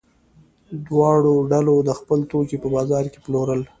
دواړو ډلو خپل توکي په بازار کې پلورل.